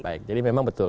baik jadi memang betul